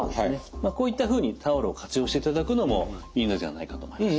こういったふうにタオルを活用していただくのもいいのじゃないかと思います。